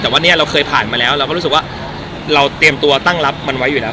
แต่ว่าเนี่ยเราเคยผ่านมาแล้วเราก็รู้สึกว่าเราเตรียมตัวตั้งรับมันไว้อยู่แล้ว